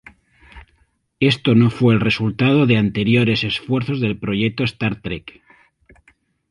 Este no fue el resultado de anteriores esfuerzos del Proyecto Star Trek.